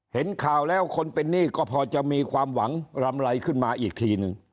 เห็นข่าวแล้วคนเป็นหนี้ก็พอจะมีความหวังรำไรขึ้นมาอีกทีนึง